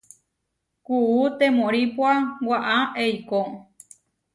Kuú temóripua waʼá eikó.